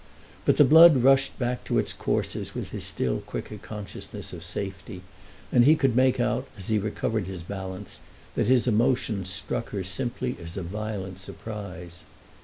But the blood rushed back to its courses with his still quicker consciousness of safety, and he could make out, as he recovered his balance, that his emotion struck her simply as a violent surprise.